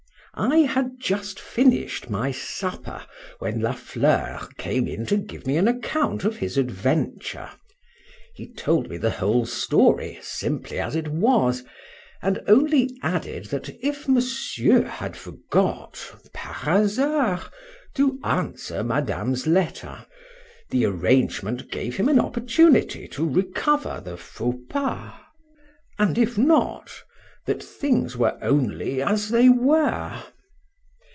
I had just finished my supper when La Fleur came in to give me an account of his adventure: he told the whole story simply as it was: and only added that if Monsieur had forgot (par hazard) to answer Madame's letter, the arrangement gave him an opportunity to recover the faux pas;—and if not, that things were only as they were.